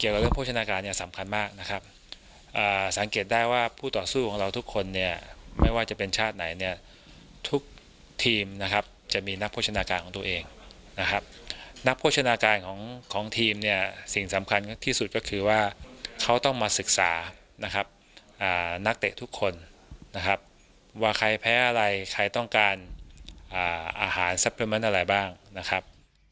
ว่าใครแพ้อะไรใครต้องการอาหารอะไรบ้างนะครับ